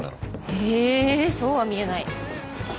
へぇそうは見えない。